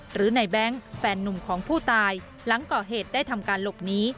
หรือในแบงค์แฟนนุ่มของผู้ตายหลังก่อเหตุได้ทำการหลบหนี